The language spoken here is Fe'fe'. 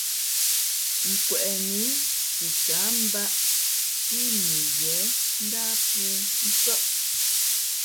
Kweꞌnǐ cicǎh mbāꞌ pí mʉnzhwíé ndáh pōō nsάʼ.